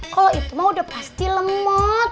kalau itu mah udah pasti lemot